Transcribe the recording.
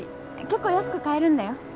結構安く買えるんだよ。